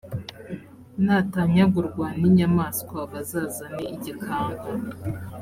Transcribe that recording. natanyagurwa n’inyamaswa bazazane igikanka